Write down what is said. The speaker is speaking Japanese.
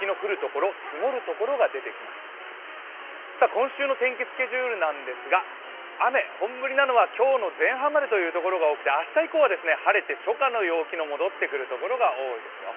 今週の天気スケジュールなんですが雨、本降りなのは今日の前半までというところが多くて、明日以降は晴れて初夏の陽気が戻ってくるところが多いですよ。